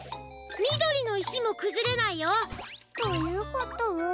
みどりのいしもくずれないよ。ということは。